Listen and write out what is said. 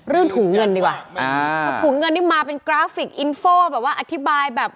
ถุงเงินดีกว่าอ่าถุงเงินนี่มาเป็นกราฟิกอินโฟแบบว่าอธิบายแบบ